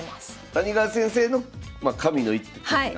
谷川先生の神の一手的な。